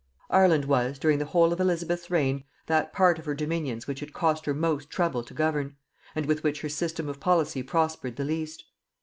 i.] Ireland was, during the whole of Elizabeth's reign, that part of her dominions which it cost her most trouble to govern, and with which her system of policy prospered the least.